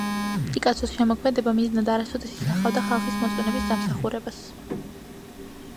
პიკასოს შემოქმედება მიზნად არასოდეს ისახავდა ხალხის მოწონების დამსახურებას.